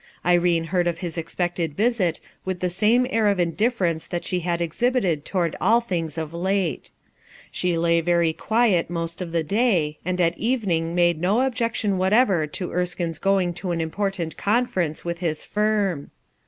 Irene heard of his expected visit with the same air of indifference that she had exhibited toward all things of late. She lay very quiet most of the day, and at evening made no objection whatever to Erskinc's going to an important conference with his firm.